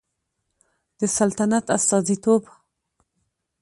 د سلطنت استازیتوب